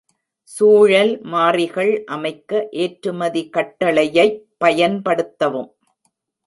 சூழல் மாறிகள் அமைக்க ஏற்றுமதி கட்டளையைப் பயன்படுத்தவும்.